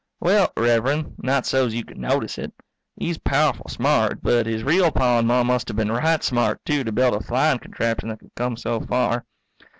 _ Well, Rev'rend, not so's you could notice it. He's powerful smart, but his real Pa and Ma must have been right smart too to build a flying contraption that could come so far.